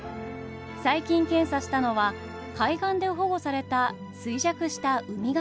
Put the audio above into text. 最近検査したのは海岸で保護された衰弱したウミガメだそうです。